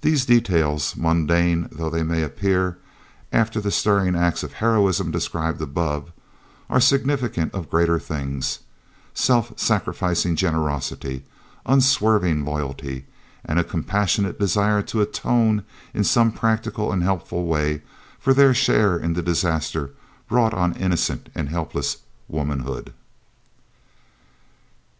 These details, mundane though they may appear after the stirring acts of heroism described above, are significant of greater things self sacrificing generosity, unswerving loyalty, and a compassionate desire to atone, in some practical and helpful way, for their share in the disaster brought on innocent and helpless womanhood.